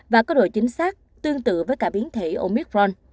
và có độ chính xác tương tự với cả biến thể omicron